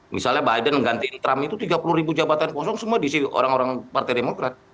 misalnya biden mengganti trump itu tiga puluh ribu jabatan kosong semua diisi orang orang partai demokrat